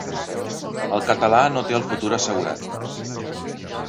El català no té el futur assegurat.